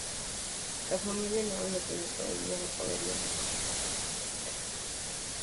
La familia León lo tiene todo: dinero, poder y una importante empresa Constructora.